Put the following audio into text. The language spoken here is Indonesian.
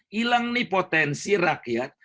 hilang nih potensi rakyat